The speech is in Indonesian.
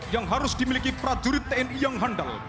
yang harus dimiliki prajurit tni yang handal